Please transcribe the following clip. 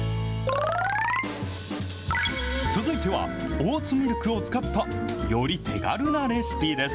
続いては、オーツミルクを使った、より手軽なレシピです。